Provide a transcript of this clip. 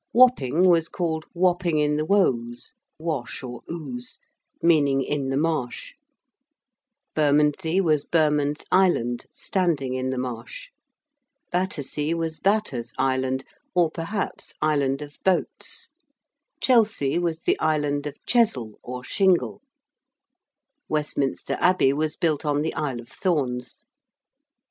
Wapping was called Wapping in the Wose (Wash or Ouze), meaning in the Marsh: Bermondsey was Bermond's Island, standing in the marsh: Battersea was Batter's Island, or perhaps Island of Boats: Chelsea was the Island of Chesel or Shingle: Westminster Abbey was built on the Isle of Thorns.